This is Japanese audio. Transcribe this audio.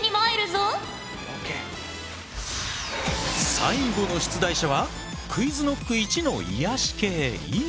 最後の出題者はＱｕｉｚＫｎｏｃｋいちの癒やし系乾！